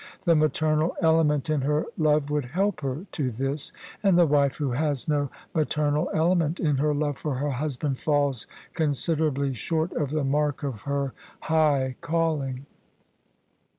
The maternal element in her love would help her to this : and the wife who has no mater nal element in her love for her husband falls considerably short of the mark of her high calling.